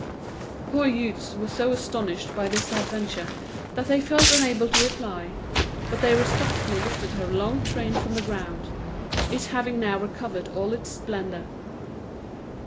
The poor youths were so astonished by this adventure, that they felt unable to reply; but they respectfully lifted her long train from the ground, it having now recovered all its splendour.